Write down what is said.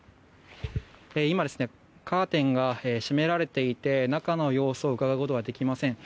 今、カーテンが閉められていて中の様子をうかがうことはできません。